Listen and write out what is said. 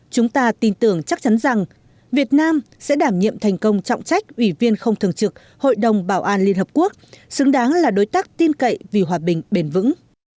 chúng ta tin tưởng chắc chắn rằng việt nam sẽ đảm nhiệm thành công trọng trách ủy viên không thường trực hội đồng bảo an liên hợp quốc xứng đáng là đối tác tin cậy vì hòa bình bền vững